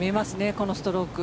このストローク。